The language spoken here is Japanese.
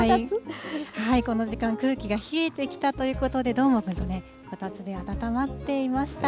この時間、空気が冷えてきたということで、どーもくんとね、こたつで温まっていました。